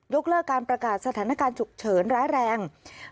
เลิกการประกาศสถานการณ์ฉุกเฉินร้ายแรง